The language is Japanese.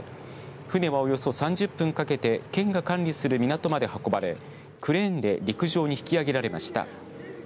船は、およそ３０分かけて県が管理する港まで運ばれクレーンで陸上に引き揚げられました。